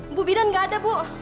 ibu bidan nggak ada bu